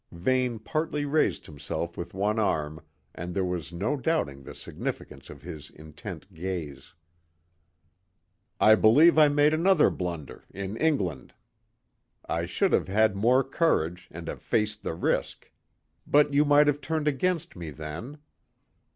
Vane partly raised himself with one arm and there was no doubting the significance of his intent gaze. "I believe I made another blunder in England. I should have had more courage and have faced the risk. But you might have turned against me then."